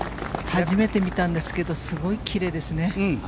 初めて見たんですけどすごい奇麗ですね。